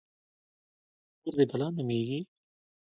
_مور دې بلا نومېږي؟